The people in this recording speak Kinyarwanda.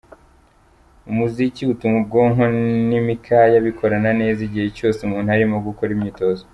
Umuziki utuma ubwonko n’imikaya bikorana neza igihe cyose umuntu arimo gukora imyitozo.